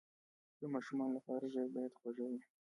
د ماشومانو لپاره ژبه باید خوږه وي.